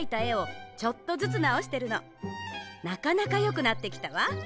なかなかよくなってきたわ。